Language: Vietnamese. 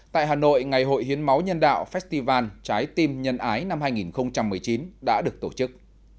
tại hà nội ngày hội hiến máu nhân đạo festival trái tim nhân ái năm hai nghìn một mươi chín đã được tổ chức